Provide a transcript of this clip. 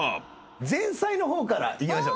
前菜の方からいきましょう。